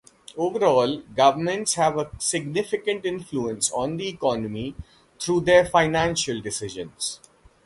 Overall, governments have a significant influence on the economy through their financial decisions.